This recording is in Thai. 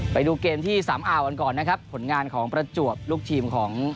ไปดูเกมที่สามอ่าวกันก่อนนะครับผลงานของประจวบลูกทีมของ